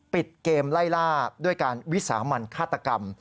ปิดเกมไล่ล่าด้วยการวิสามันฆาตกรรม